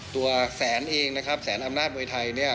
ตัวแสนเองแสนอำนาจมวยไทย